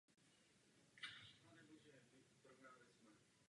Měli bychom otevřeně diskutovat o všech možnostech.